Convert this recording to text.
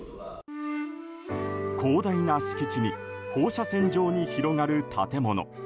広大な敷地に放射線状に広がる建物。